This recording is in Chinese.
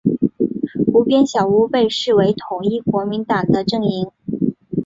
湖边小屋被视为统一国民党的阵营。